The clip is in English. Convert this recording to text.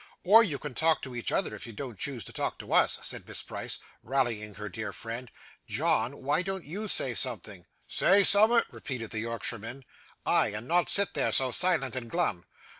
'Or you can talk to each other, if you don't choose to talk to us,' said Miss Price, rallying her dear friend. 'John, why don't you say something?' 'Say summat?' repeated the Yorkshireman. 'Ay, and not sit there so silent and glum.